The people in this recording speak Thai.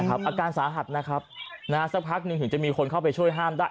อาการสาหัสนะครับสักพักหนึ่งถึงจะมีคนเข้าไปช่วยห้ามได้